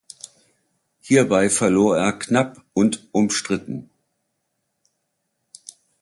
Hierbei verlor er knapp und umstritten.